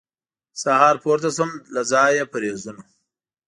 سهار پورته سوم له ځایه په رېزونو